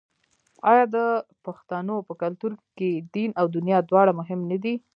آیا د پښتنو په کلتور کې دین او دنیا دواړه مهم نه دي؟